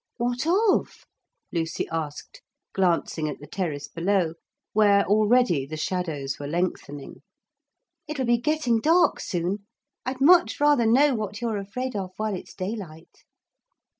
'What of?' Lucy asked, glancing at the terrace below, where already the shadows were lengthening; 'it'll be getting dark soon. I'd much rather know what you're afraid of while it's daylight.'